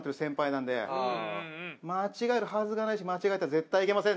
間違えるはずがないし間違えたら絶対いけません。